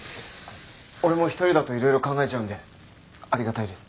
俺も一人だといろいろ考えちゃうんでありがたいです。